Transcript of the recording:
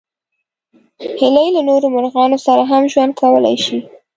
هیلۍ له نورو مرغانو سره هم ژوند کولی شي